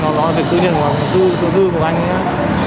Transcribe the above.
nó là việc tự nhiên của anh